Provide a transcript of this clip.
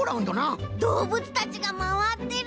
どうぶつたちがまわってる！